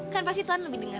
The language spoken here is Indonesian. kan pasti tuhan lebih dengar